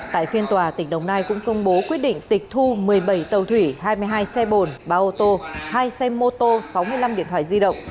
tại phiên tòa tỉnh đồng nai cũng công bố quyết định tịch thu một mươi bảy tàu thủy hai mươi hai xe bồn ba ô tô hai xe mô tô sáu mươi năm điện thoại di động